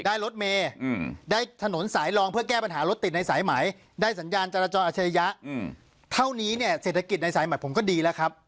ได้อะไรนะได้โรงพยาบาลเหมือนกี่